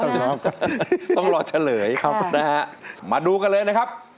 คุณปุ่นนะครับร้องได้หรือว่าร้องผิดครับ